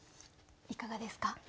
いかがですか？